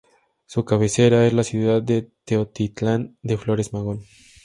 Su cabecera es la ciudad de Teotitlán de Flores Magón.